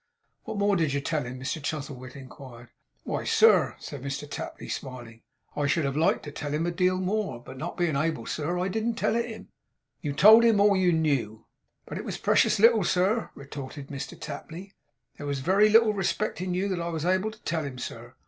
'What more did you tell him?' Mr Chuzzlewit inquired. 'Why, sir,' said Mr Tapley, smiling, 'I should have liked to tell him a deal more, but not being able, sir, I didn't tell it him.' 'You told him all you knew?' 'But it was precious little, sir,' retorted Mr Tapley. 'There was very little respectin' you that I was able to tell him, sir.